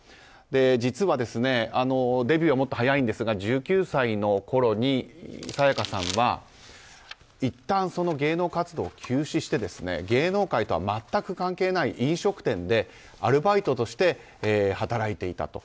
実はデビューはもっと早いんですが１９歳のころに沙也加さんはいったん芸能活動を休止して芸能界とは全く関係ない飲食店でアルバイトとして働いていたと。